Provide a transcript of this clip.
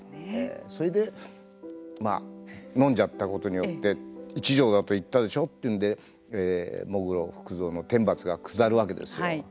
それでのんじゃったことによって１錠だと言ったでしょうというんで喪黒福造の天罰が下るわけですよ。